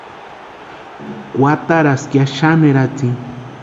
Kwataraska ya xani eratsini.